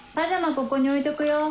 ここに置いとくよ。